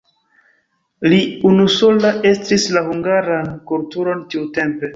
Li unusola estris la hungaran kulturon tiutempe.